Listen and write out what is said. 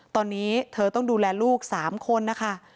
ตอนนี้เธอต้องดูแลลูก๓คนนะคะ